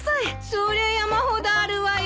そりゃ山ほどあるわよ。